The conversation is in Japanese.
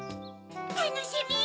たのしみ！